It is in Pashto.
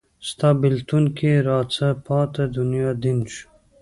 ستا بیلتون کې راڅه پاته دنیا دین شو